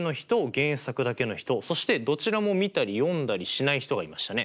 原作だけの人そしてどちらもみたり読んだりしない人がいましたね。